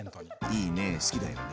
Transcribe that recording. いいね好きだよね。